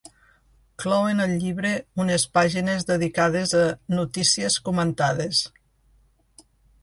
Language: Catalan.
Clouen el llibre unes pàgines dedicades a “notícies comentades”.